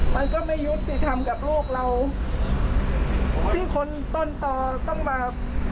มันก็ไม่ยุติธรรมกับลูกเราซึ่งคนต้นต่อต้องมา